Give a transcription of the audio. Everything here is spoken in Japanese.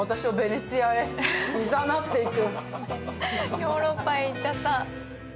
ヨーロッパへ行っちゃった。